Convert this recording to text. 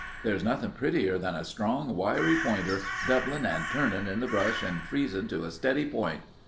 There's nothing prettier than a strong, wiry pointer doublin' and turnin' in the brush and freezin' to a steady point.